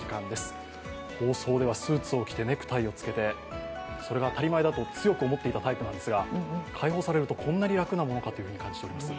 放送ではスーツを着てネクタイを着けてそれが当たり前だと強く思っていたタイプなんですが、解放されると、こんなに楽なものかと感じています。